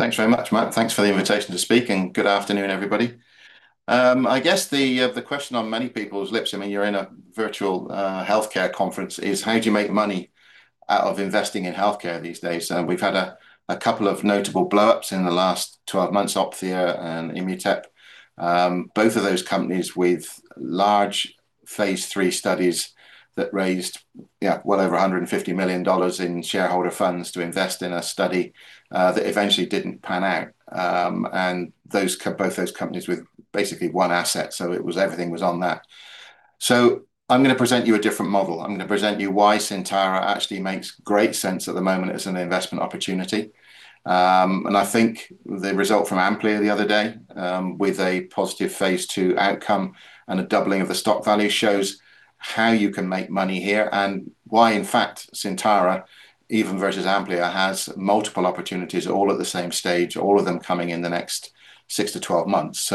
Thanks very much, Matt. Thanks for the invitation to speak, and good afternoon, everybody. I guess the question on many people's lips, I mean you're in a virtual healthcare conference, is how do you make money out of investing in healthcare these days? We've had a couple of notable blow-ups in the last 12 months, Opthea and Immutep. Both of those companies with large phase III studies that raised, yeah, well over 150 million dollars in shareholder funds to invest in a study that eventually didn't pan out. Both those companies with basically one asset, so everything was on that. I'm gonna present you a different model. I'm gonna present you why Syntara actually makes great sense at the moment as an investment opportunity. I think the result from Amplia the other day, with a positive phase II outcome and a doubling of the stock value shows how you can make money here and why, in fact, Syntara, even versus Amplia, has multiple opportunities all at the same stage, all of them coming in the next 6-12 months.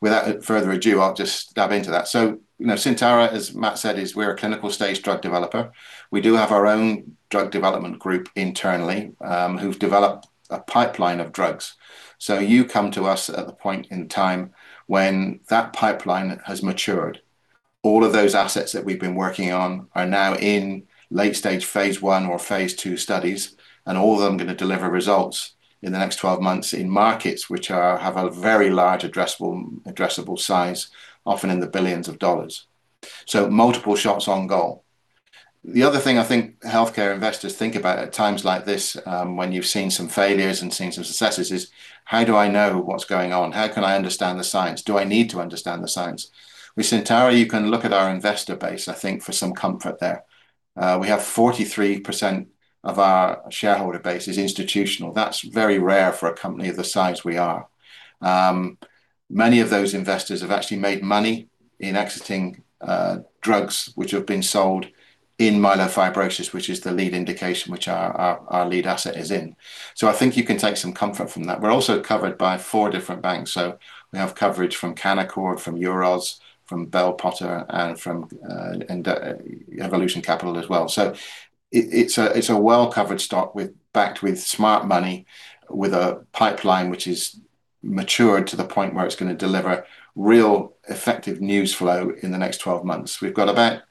Without further ado, I'll just dive into that. You know, Syntara, as Matt said, we're a clinical stage drug developer. We do have our own drug development group internally, who've developed a pipeline of drugs. You come to us at the point in time when that pipeline has matured. All of those assets that we've been working on are now in late-stage phase I or phase II studies, and all of them gonna deliver results in the next 12 months in markets which have a very large addressable size, often in the billions of dollars. Multiple shots on goal. The other thing I think healthcare investors think about at times like this, when you've seen some failures and seen some successes is, "How do I know what's going on? How can I understand the science? Do I need to understand the science?" With Syntara, you can look at our investor base, I think, for some comfort there. We have 43% of our shareholder base is institutional. That's very rare for a company of the size we are. Many of those investors have actually made money in exiting drugs which have been sold in myelofibrosis, which is the lead indication which our lead asset is in. I think you can take some comfort from that. We're also covered by four different banks, so we have coverage from Canaccord, from Euroz, from Bell Potter, and from Evolution Capital as well. It's a well-covered stock backed with smart money with a pipeline which is matured to the point where it's gonna deliver real effective news flow in the next 12 months. We've got about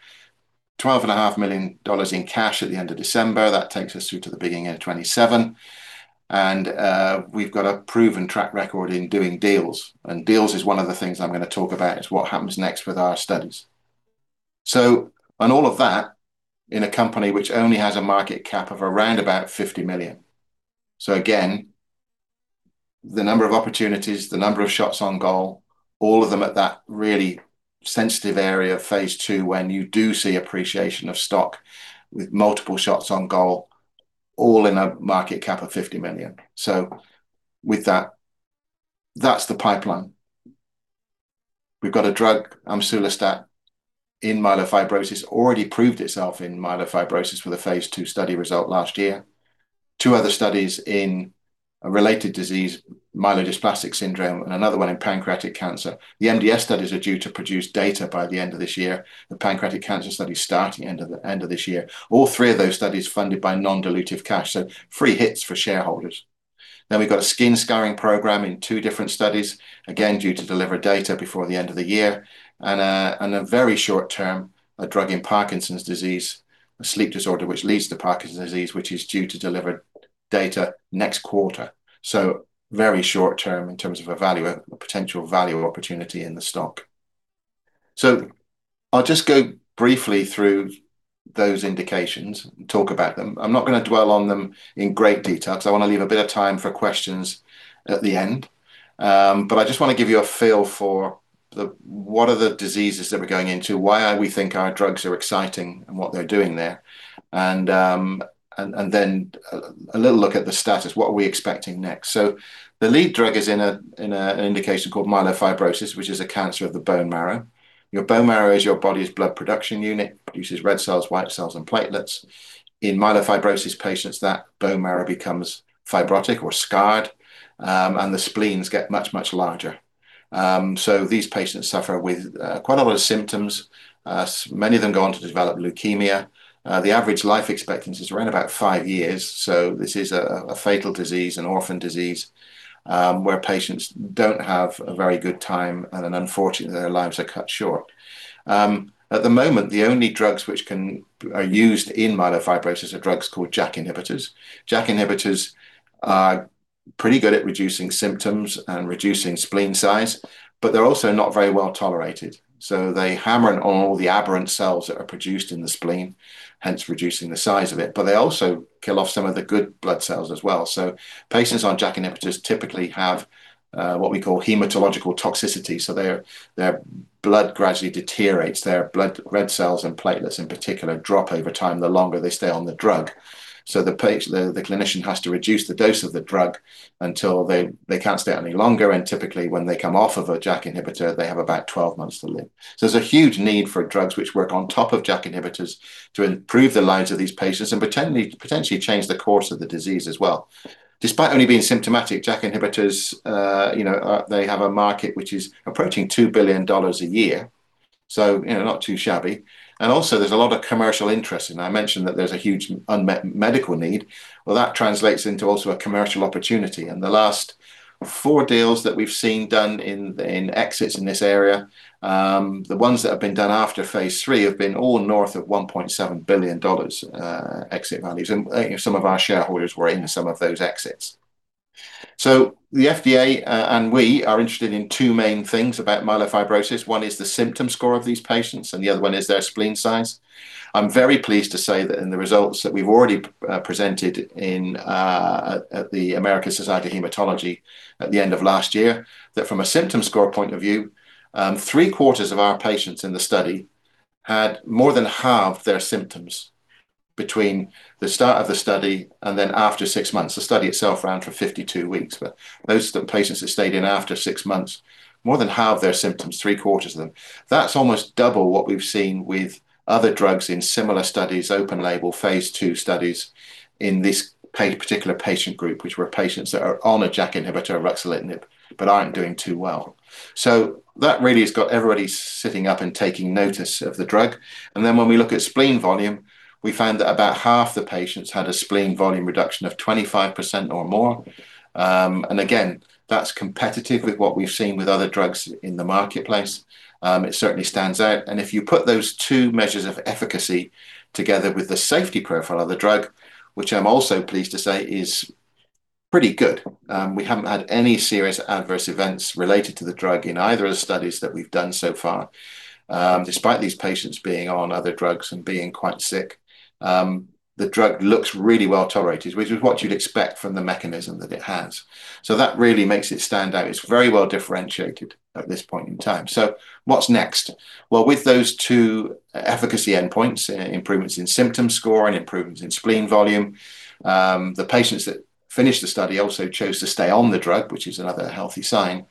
12.5 million dollars in cash at the end of December. That takes us through to the beginning of 2027. We've got a proven track record in doing deals. Deals is one of the things I'm gonna talk about is what happens next with our studies. On all of that, in a company which only has a market cap of around about 50 million. Again, the number of opportunities, the number of shots on goal, all of them at that really sensitive area of phase II when you do see appreciation of stock with multiple shots on goal, all in a market cap of 50 million. With that's the pipeline. We've got a drug, amsulostat, in myelofibrosis, already proved itself in myelofibrosis with a phase II study result last year. Two other studies in a related disease, myelodysplastic syndrome, and another one in pancreatic cancer. The MDS studies are due to produce data by the end of this year. The pancreatic cancer study's starting end of this year. All three of those studies funded by non-dilutive cash, so free hits for shareholders. We've got a skin scarring program in two different studies, again due to deliver data before the end of the year. In the very short term, a drug in Parkinson's disease, a sleep disorder which leads to Parkinson's disease, which is due to deliver data next quarter. Very short term in terms of a potential value opportunity in the stock. I'll just go briefly through those indications and talk about them. I'm not gonna dwell on them in great detail because I wanna leave a bit of time for questions at the end. I just wanna give you a feel for what the diseases are that we're going into, why we think our drugs are exciting and what they're doing there. Then a little look at the status, what are we expecting next. The lead drug is in an indication called myelofibrosis, which is a cancer of the bone marrow. Your bone marrow is your body's blood production unit, produces red cells, white cells, and platelets. In myelofibrosis patients, that bone marrow becomes fibrotic or scarred, and the spleens get much larger. These patients suffer with quite a lot of symptoms. Many of them go on to develop leukemia. The average life expectancy is around about five years, so this is a fatal disease, an orphan disease, where patients don't have a very good time and unfortunately their lives are cut short. At the moment, the only drugs which are used in myelofibrosis are drugs called JAK inhibitors. JAK inhibitors are pretty good at reducing symptoms and reducing spleen size, but they're also not very well tolerated. They hammer in all the aberrant cells that are produced in the spleen, hence reducing the size of it, but they also kill off some of the good blood cells as well. Patients on JAK inhibitors typically have what we call hematological toxicity. Their blood gradually deteriorates. Their red blood cells and platelets in particular drop over time the longer they stay on the drug. The clinician has to reduce the dose of the drug until they can't stay any longer and typically when they come off of a JAK inhibitor, they have about 12 months to live. There's a huge need for drugs which work on top of JAK inhibitors to improve the lives of these patients and potentially change the course of the disease as well. Despite only being symptomatic, JAK inhibitors, they have a market which is approaching 2 billion dollars a year. You know, not too shabby. Also there's a lot of commercial interest. I mentioned that there's a huge unmet medical need. Well, that translates into also a commercial opportunity. The last four deals that we've seen done in exits in this area, the ones that have been done after phase III have been all north of 1.7 billion dollars, exit values. Some of our shareholders were in some of those exits. The FDA and we are interested in two main things about myelofibrosis. One is the symptom score of these patients, and the other one is their spleen size. I'm very pleased to say that in the results that we've already presented in at the American Society of Hematology at the end of last year, that from a symptom score point of view, 3/4 of our patients in the study had more than half their symptoms between the start of the study and then after six months. The study itself ran for 52 weeks. Those patients that stayed in after six months, more than half their symptoms, 3/4 of them. That's almost double what we've seen with other drugs in similar studies, open label phase II studies in this particular patient group, which were patients that are on a JAK inhibitor, ruxolitinib, but aren't doing too well. That really has got everybody sitting up and taking notice of the drug. Then when we look at spleen volume, we find that about half the patients had a spleen volume reduction of 25% or more. Again, that's competitive with what we've seen with other drugs in the marketplace. It certainly stands out. If you put those two measures of efficacy together with the safety profile of the drug, which I'm also pleased to say is pretty good. We haven't had any serious adverse events related to the drug in either of the studies that we've done so far. Despite these patients being on other drugs and being quite sick, the drug looks really well tolerated, which is what you'd expect from the mechanism that it has. That really makes it stand out. It's very well differentiated at this point in time. What's next? Well, with those two efficacy endpoints, improvements in symptom score and improvements in spleen volume, the patients that finished the study also chose to stay on the drug, which is another healthy sign.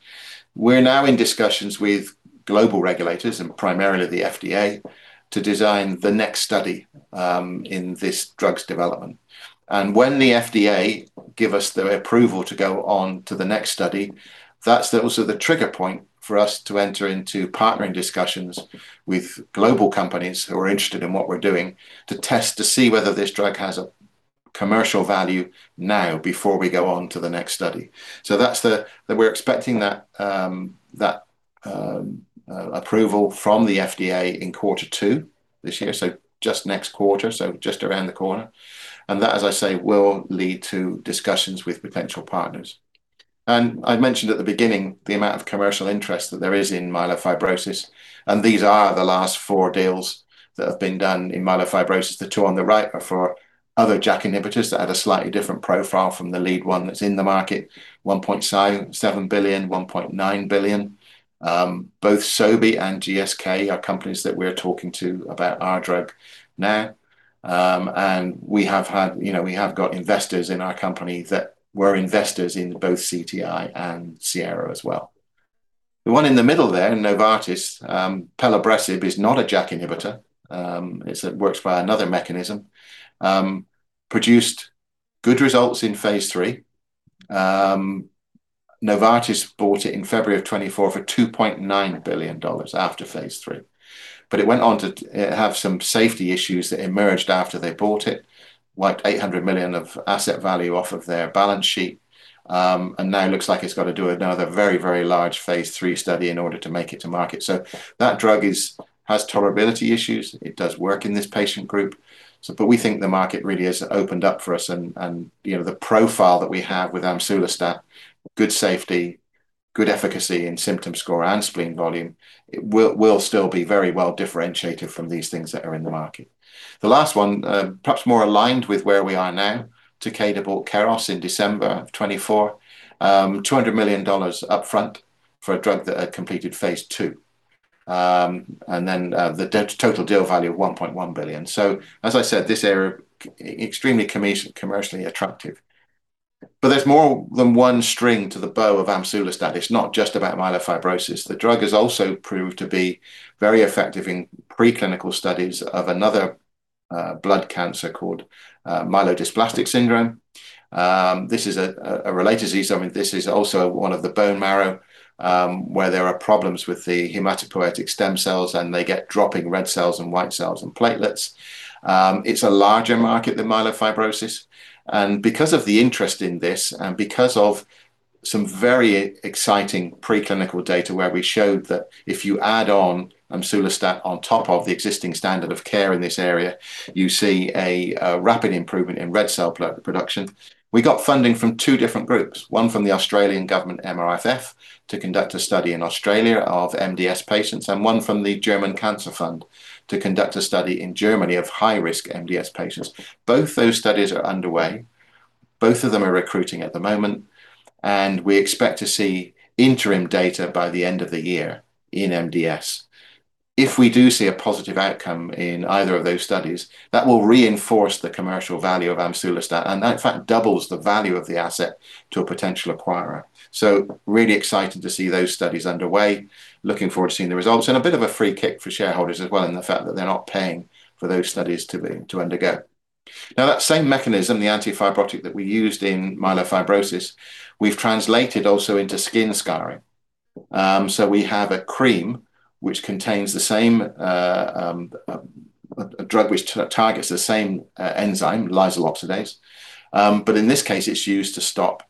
We're now in discussions with global regulators and primarily the FDA to design the next study in this drug's development. When the FDA give us the approval to go on to the next study, that's also the trigger point for us to enter into partnering discussions with global companies who are interested in what we're doing to test to see whether this drug has a commercial value now before we go on to the next study. We're expecting that approval from the FDA in quarter two this year. Just next quarter. Just around the corner. That, as I say, will lead to discussions with potential partners. I mentioned at the beginning the amount of commercial interest that there is in myelofibrosis, and these are the last four deals that have been done in myelofibrosis. The two on the right are for other JAK inhibitors that have a slightly different profile from the lead one that's in the market. 1.7 billion, 1.9 billion. Both Sobi and GSK are companies that we're talking to about our drug now. We have got investors in our company that were investors in both CTI and Sierra as well. The one in the middle there, Novartis, pelabresib is not a JAK inhibitor. It works via another mechanism. It produced good results in phase III. Novartis bought it in February 2024 for $2.9 billion after phase III. It went on to have some safety issues that emerged after they bought it, wiped $800 million of asset value off of their balance sheet. Now it looks like it's got to do another very large phase III study in order to make it to market. That drug has tolerability issues. It does work in this patient group. We think the market really has opened up for us. You know, the profile that we have with amsulostat, good safety, good efficacy in symptom score and spleen volume, will still be very well differentiated from these things that are in the market. The last one, perhaps more aligned with where we are now. Takeda bought Keros in December 2024. $200 million up front for a drug that had completed phase II. The total deal value of $1.1 billion. As I said, this area extremely commercially attractive. There's more than one string to the bow of amsulostat. It's not just about myelofibrosis. The drug has also proved to be very effective in preclinical studies of another blood cancer called myelodysplastic syndrome. This is a related disease. I mean, this is also one of the bone marrow where there are problems with the hematopoietic stem cells, and they get dropping red cells and white cells and platelets. It's a larger market than myelofibrosis. Because of the interest in this and because of some very exciting preclinical data where we showed that if you add on amsulostat on top of the existing standard of care in this area, you see a rapid improvement in red cell production. We got funding from two different groups, one from the Australian government MRFF to conduct a study in Australia of MDS patients and one from the German Cancer Aid to conduct a study in Germany of high-risk MDS patients. Both those studies are underway. Both of them are recruiting at the moment, and we expect to see interim data by the end of the year in MDS. If we do see a positive outcome in either of those studies, that will reinforce the commercial value of amsulostat, and that in fact doubles the value of the asset to a potential acquirer. Really excited to see those studies underway. Looking forward to seeing the results. A bit of a free kick for shareholders as well, in the fact that they're not paying for those studies to undergo. Now that same mechanism, the anti-fibrotic that we used in myelofibrosis, we've translated also into skin scarring. We have a cream which contains the same, a drug which targets the same enzyme, lysyl oxidase. In this case, it's used to stop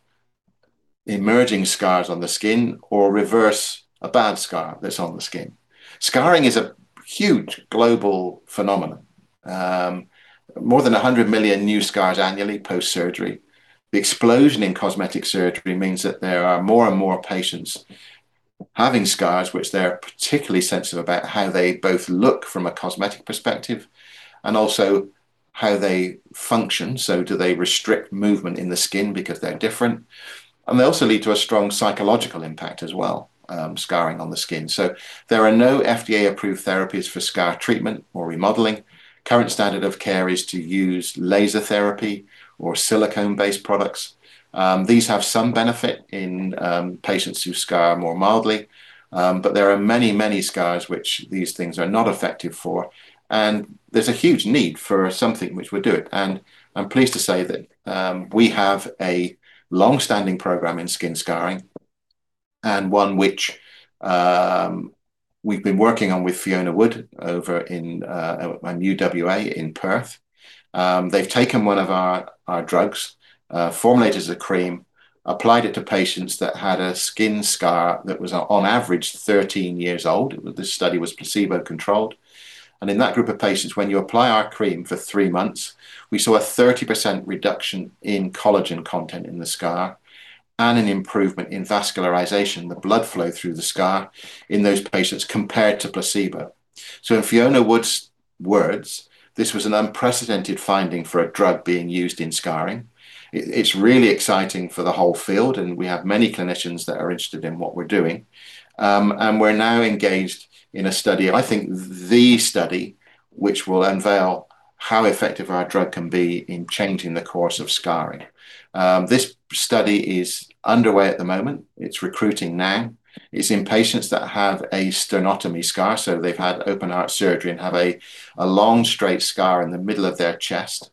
emerging scars on the skin or reverse a bad scar that's on the skin. Scarring is a huge global phenomenon. More than 100 million new scars annually post-surgery. The explosion in cosmetic surgery means that there are more and more patients having scars which they're particularly sensitive about how they both look from a cosmetic perspective and also how they function. Do they restrict movement in the skin because they're different? They also lead to a strong psychological impact as well, scarring on the skin. There are no FDA-approved therapies for scar treatment or remodeling. Current standard of care is to use laser therapy or silicone-based products. These have some benefit in patients who scar more mildly. There are many, many scars which these things are not effective for, and there's a huge need for something which would do it. I'm pleased to say that we have a long-standing program in skin scarring and one which we've been working on with Fiona Wood over in UWA in Perth. They've taken one of our drugs, formulated as a cream, applied it to patients that had a skin scar that was on average 13 years old. This study was placebo-controlled. In that group of patients, when you apply our cream for three months, we saw a 30% reduction in collagen content in the scar and an improvement in vascularization, the blood flow through the scar in those patients compared to placebo. In Fiona Wood's words, this was an unprecedented finding for a drug being used in scarring. It's really exciting for the whole field, and we have many clinicians that are interested in what we're doing. We're now engaged in a study, I think the study, which will unveil how effective our drug can be in changing the course of scarring. This study is underway at the moment. It's recruiting now. It's in patients that have a sternotomy scar, so they've had open heart surgery and have a long straight scar in the middle of their chest.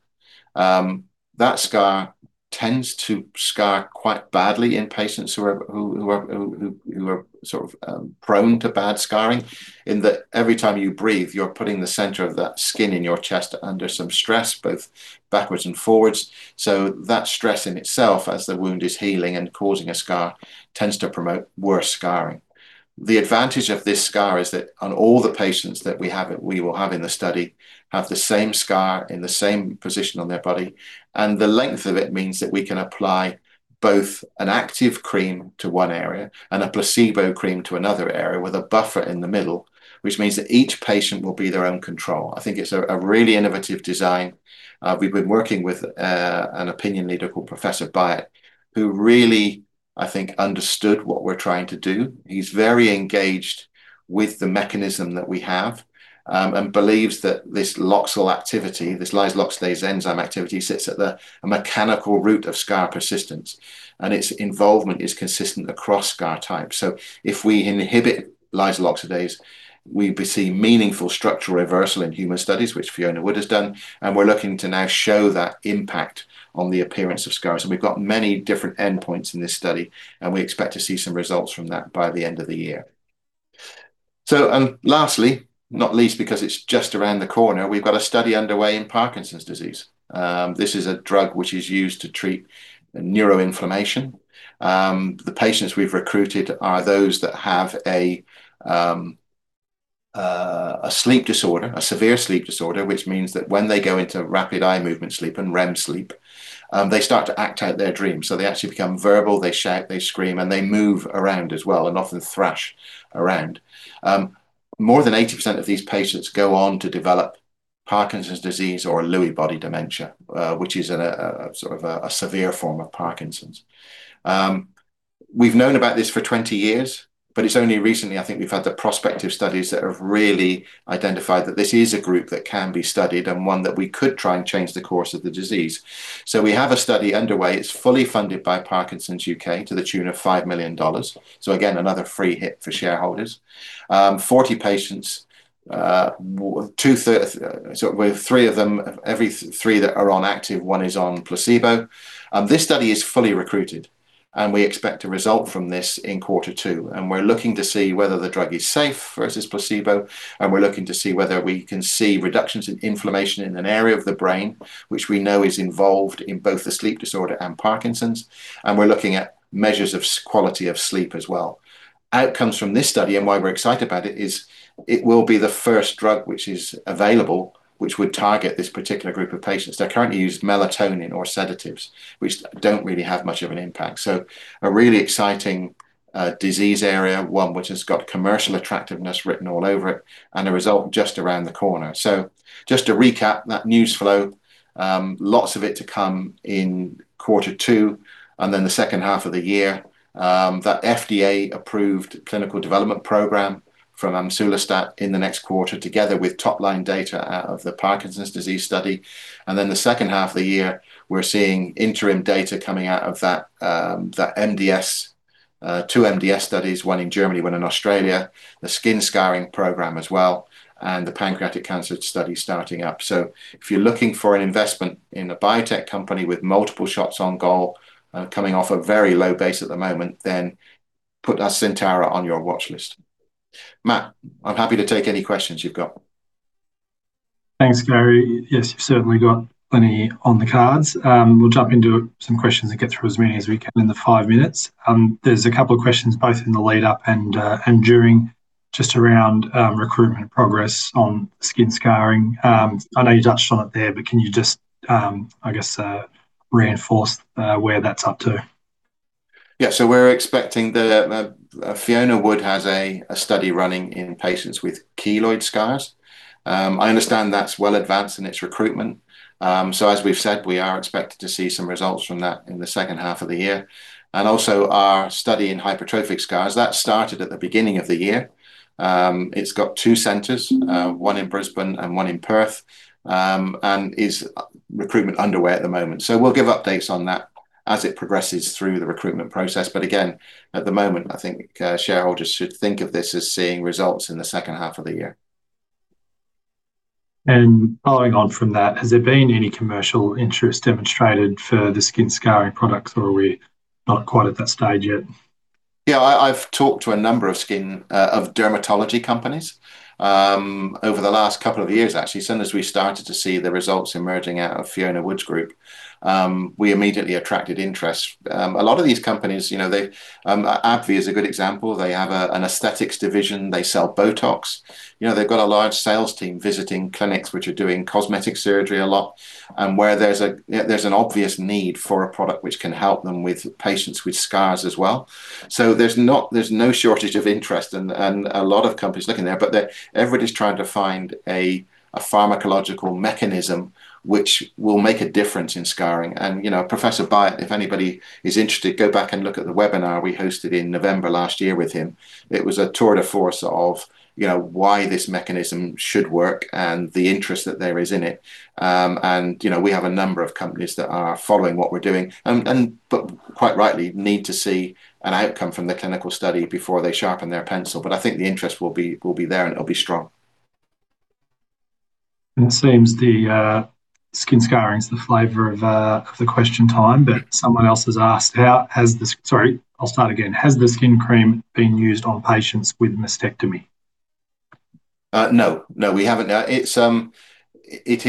That scar tends to scar quite badly in patients who are sort of prone to bad scarring in that every time you breathe, you're putting the center of that skin in your chest under some stress, both backwards and forwards. That stress in itself as the wound is healing and causing a scar tends to promote worse scarring. The advantage of this scar is that all the patients that we will have in the study have the same scar in the same position on their body, and the length of it means that we can apply both an active cream to one area and a placebo cream to another area with a buffer in the middle, which means that each patient will be their own control. I think it's a really innovative design. We've been working with an opinion leader called Professor Bayat, who really, I think, understood what we're trying to do. He's very engaged with the mechanism that we have and believes that this lysyl activity, this lysyl oxidase enzyme activity, sits at a mechanistic root of scar persistence, and its involvement is consistent across scar types. If we inhibit lysyl oxidase, we see meaningful structural reversal in human studies, which Fiona Wood has done, and we're looking to now show that impact on the appearance of scars. We've got many different endpoints in this study, and we expect to see some results from that by the end of the year. Lastly, not least because it's just around the corner, we've got a study underway in Parkinson's disease. This is a drug which is used to treat neuroinflammation. The patients we've recruited are those that have a sleep disorder, a severe sleep disorder, which means that when they go into rapid eye movement sleep and REM sleep, they start to act out their dreams. They actually become verbal, they shout, they scream, and they move around as well, and often thrash around. More than 80% of these patients go on to develop Parkinson's disease or Lewy body dementia, which is a sort of severe form of Parkinson's. We've known about this for 20 years, but it's only recently I think we've had the prospective studies that have really identified that this is a group that can be studied and one that we could try and change the course of the disease. We have a study underway. It's fully funded by Parkinson's U.K. to the tune of $5 million. Again, another free hit for shareholders. 40 patients, with three of them, every three that are on active, one is on placebo. This study is fully recruited, and we expect a result from this in quarter two. We're looking to see whether the drug is safe versus placebo, and we're looking at measures of sleep quality as well. Outcomes from this study and why we're excited about it is it will be the first drug which is available, which would target this particular group of patients. They currently use melatonin or sedatives, which don't really have much of an impact. A really exciting disease area, one which has got commercial attractiveness written all over it and a result just around the corner. Just to recap that news flow, lots of it to come in quarter two and then the second half of the year. That FDA-approved clinical development program for amsulostat in the next quarter, together with top-line data out of the Parkinson's disease study. Then the second half of the year, we're seeing interim data coming out of that MDS, two MDS studies, one in Germany, one in Australia. The skin scarring program as well, and the pancreatic cancer study starting up. If you're looking for an investment in a biotech company with multiple shots on goal, coming off a very low base at the moment, then put us, Syntara, on your watchlist. Matt, I'm happy to take any questions you've got. Thanks, Gary. Yes, you've certainly got plenty on the cards. We'll jump into some questions and get through as many as we can in the five minutes. There's a couple of questions, both in the lead-up and during just around recruitment progress on skin scarring. I know you touched on it there, but can you just, I guess, reinforce where that's up to? Yeah. We're expecting Fiona Wood has a study running in patients with keloid scars. I understand that's well advanced in its recruitment. As we've said, we are expected to see some results from that in the second half of the year. Also our study in hypertrophic scars that started at the beginning of the year. It's got two centers, one in Brisbane and one in Perth, and recruitment is underway at the moment. We'll give updates on that as it progresses through the recruitment process. Again, at the moment, I think shareholders should think of this as seeing results in the second half of the year. Following on from that, has there been any commercial interest demonstrated for the skin scarring products, or are we not quite at that stage yet? Yeah. I've talked to a number of skin of dermatology companies over the last couple of years, actually. Soon as we started to see the results emerging out of Fiona Wood's group, we immediately attracted interest. A lot of these companies, you know, they. AbbVie is a good example. They have an aesthetics division. They sell Botox. You know, they've got a large sales team visiting clinics which are doing cosmetic surgery a lot and where there's an obvious need for a product which can help them with patients with scars as well. So there's no shortage of interest and a lot of companies looking there. Everybody's trying to find a pharmacological mechanism which will make a difference in scarring. You know, Professor Bayat, if anybody is interested, go back and look at the webinar we hosted in November last year with him. It was a tour de force of, you know, why this mechanism should work and the interest that there is in it. You know, we have a number of companies that are following what we're doing and, but quite rightly, need to see an outcome from the clinical study before they sharpen their pencil. I think the interest will be there, and it'll be strong. It seems the skin scarring is the flavor of the question time. Someone else has asked, has the skin cream been used on patients with mastectomy? No, we haven't. Now, it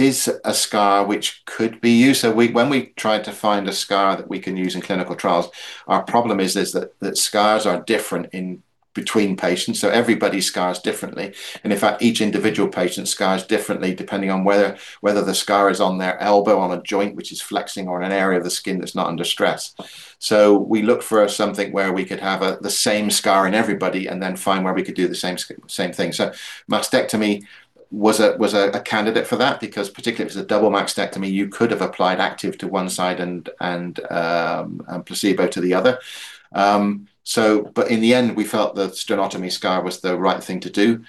is a scar which could be used. When we try to find a scar that we can use in clinical trials, our problem is that scars are different in between patients, so everybody scars differently. In fact, each individual patient scars differently depending on whether the scar is on their elbow, on a joint which is flexing or on an area of the skin that's not under stress. We look for something where we could have the same scar in everybody and then find where we could do the same thing. Mastectomy was a candidate for that because particularly if it's a double mastectomy, you could have applied active to one side and placebo to the other. In the end, we felt that sternotomy scar was the right thing to do.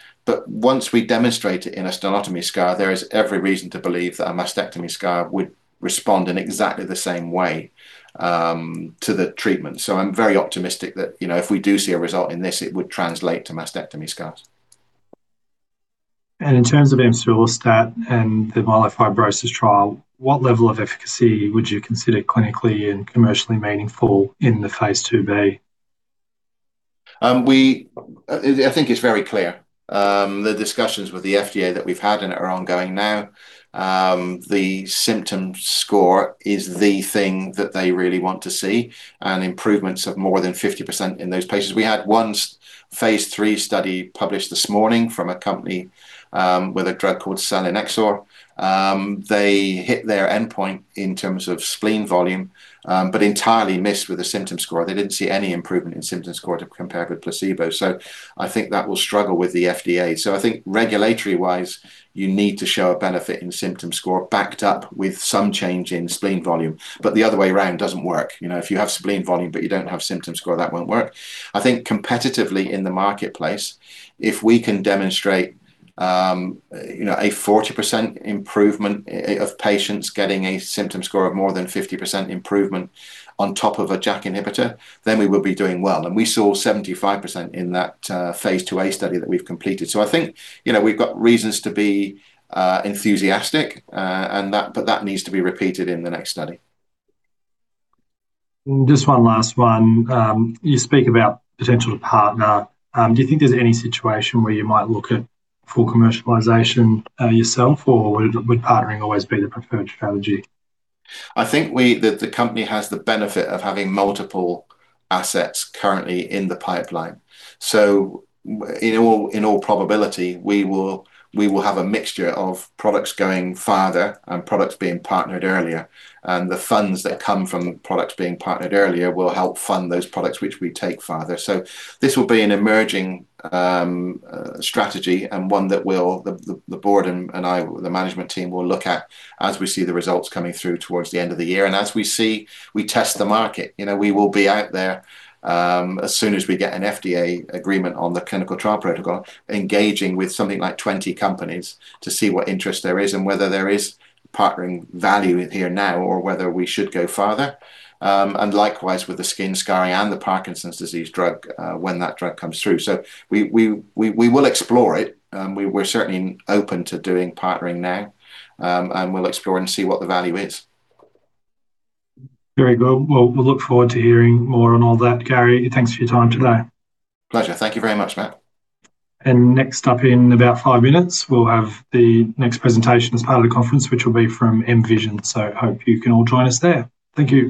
Once we demonstrate it in a sternotomy scar, there is every reason to believe that a mastectomy scar would respond in exactly the same way, to the treatment. I'm very optimistic that, you know, if we do see a result in this, it would translate to mastectomy scars. In terms of amsulostat and the myelofibrosis trial, what level of efficacy would you consider clinically and commercially meaningful in the phase II-B? I think it's very clear. The discussions with the FDA that we've had and are ongoing now, the symptom score is the thing that they really want to see and improvements of more than 50% in those patients. We had one phase III study published this morning from a company, with a drug called selinexor. They hit their endpoint in terms of spleen volume, but entirely missed with the symptom score. They didn't see any improvement in symptom score compared with placebo. I think that will struggle with the FDA. I think regulatory-wise, you need to show a benefit in symptom score backed up with some change in spleen volume. The other way around doesn't work. You know, if you have spleen volume, but you don't have symptom score, that won't work. I think competitively in the marketplace, if we can demonstrate, you know, a 40% improvement of patients getting a symptom score of more than 50% improvement on top of a JAK inhibitor, then we will be doing well. We saw 75% in that phase II-A study that we've completed. I think, you know, we've got reasons to be enthusiastic, and that but that needs to be repeated in the next study. Just one last one. You speak about potential to partner. Do you think there's any situation where you might look at full commercialization yourself, or would partnering always be the preferred strategy? I think the company has the benefit of having multiple assets currently in the pipeline. In all probability, we will have a mixture of products going farther and products being partnered earlier. The funds that come from products being partnered earlier will help fund those products which we take farther. This will be an emerging strategy and one that we'll, the board and I, the management team will look at as we see the results coming through towards the end of the year. As we see, we test the market. You know, we will be out there, as soon as we get an FDA agreement on the clinical trial protocol, engaging with something like 20 companies to see what interest there is and whether there is partnering value in here now or whether we should go farther. Likewise with the skin scarring and the Parkinson's disease drug, when that drug comes through. We will explore it. We're certainly open to doing partnering now. We'll explore and see what the value is. Very good. Well, we'll look forward to hearing more on all that, Gary. Thanks for your time today. Pleasure. Thank you very much, Matt. Next up in about five minutes, we'll have the next presentation as part of the conference, which will be from Emvision. Hope you can all join us there. Thank you.